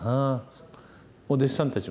お弟子さんたち